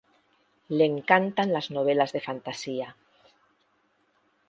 Le encantan las novelas de fantasía.